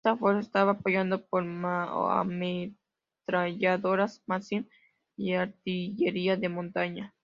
Esta fuerza estaba apoyada por ametralladoras Maxim y artillería de montaña.